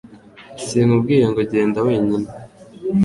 Sinkubwiye ngo genda wenyine